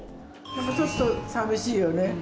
ちょっと寂しいよね。